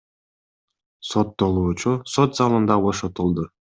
Соттолуучу сот залында бошотулду.